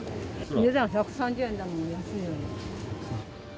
値段１３０円だもん、安いわよ。